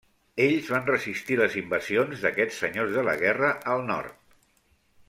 Ells van resistir les invasions d'aquests senyors de la guerra al nord.